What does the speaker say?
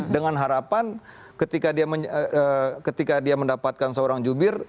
dengan harapan ketika dia mendapatkan seorang jubir